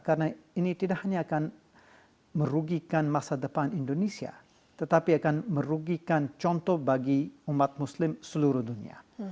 karena ini tidak hanya akan merugikan masa depan indonesia tetapi akan merugikan contoh bagi umat muslim seluruh dunia